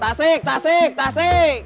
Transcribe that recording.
tasik tasik tasik